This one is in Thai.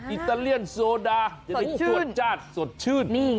อิตาเลียนโซดาสดชื่น